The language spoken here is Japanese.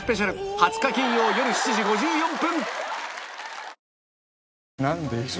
２０日金曜よる７時５４分